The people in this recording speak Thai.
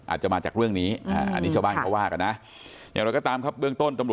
อาจจะมาจากเรื่องนี้อันนี้ชาวบ้านก็ว่ากันนะ